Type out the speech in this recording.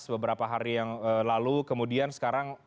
beberapa hari yang lalu kemudian sekarang